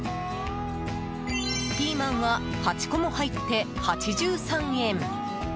ピーマンは８個も入って８３円。